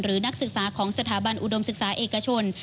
นักศึกษาของสถาบันอุดมศึกษาเอกชน